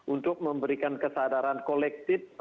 untuk memberikan kesadaran kolektif